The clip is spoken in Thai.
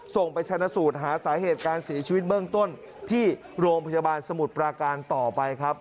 ไปชนะสูตรหาสาเหตุการเสียชีวิตเบื้องต้นที่โรงพยาบาลสมุทรปราการต่อไปครับ